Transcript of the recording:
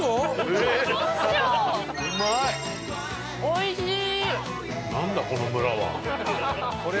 おいしい！